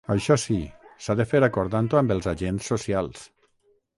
Això sí, s’ha de fer acordant-ho amb els agents socials.